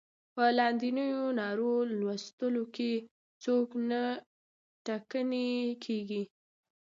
په لاندنیو نارو لوستلو کې څوک نه ټکنی کیږي.